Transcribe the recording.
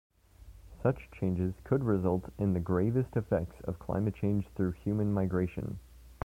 Such changes could result in the gravest effects of climate change through human migration.